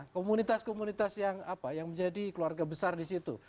komunitas komunitas yang menjadi keluarga besar di situ